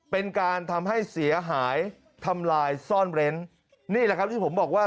เป็นการทำให้เสียหายทำลายซ่อนเร้นนี่แหละครับที่ผมบอกว่า